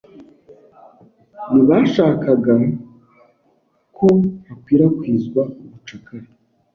Ntibashakaga ko hakwirakwizwa ubucakara.